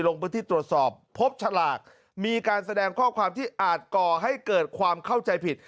ลงพื้นที่ตรวจสอบพบฉลากมีการแสดงข้อความที่อาจก่อให้เกิดความเข้าใจผิด